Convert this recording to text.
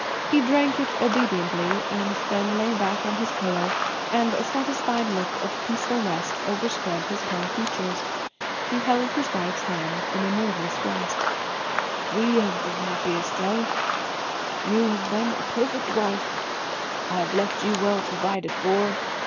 He drank it obediently and then lay back on his pillow and a satisfied look of peaceful rest overspread his pale features. He held his wife's hand in a nerveless grasp. "We have been happy, Estelle. You have been a perfect wife. I have left you well provided for.